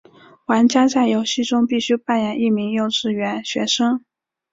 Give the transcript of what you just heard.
玩家在游戏中必须扮演一名幼稚园学生。